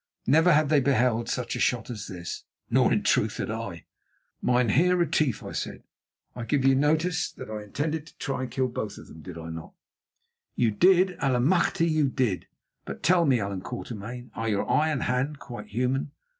Never had they beheld such a shot as this; nor in truth had I. "Mynheer Retief," I said, "I gave you notice that I intended to try to kill both of them, did I not?" "You did. Allemachte! you did! But tell me, Allan Quatermain, are your eye and hand quite human?"